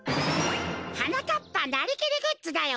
はなかっぱなりきりグッズだよ！